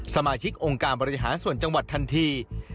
สมาชิกองค์การบริหารส่วนจังหวัดทันที